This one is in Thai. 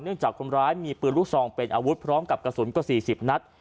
จากคนร้ายมีปืนลูกซองเป็นอาวุธพร้อมกับกระสุนกว่า๔๐นัด